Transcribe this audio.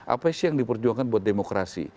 apa sih yang diperjuangkan buat demokrasi